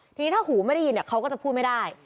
ทีนี้ถ้าหูไม่ได้ยินเขาก็จะพูดไม่ได้